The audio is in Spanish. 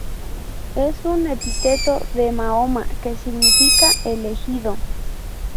Es un epíteto de Mahoma que significa "elegido".